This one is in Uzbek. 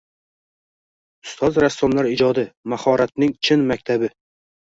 Ustoz rassomlar ijodi – mahoratning chin maktabi